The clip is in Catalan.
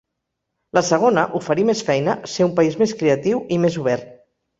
La segona, oferir més feina, ser un país més creatiu i més obert.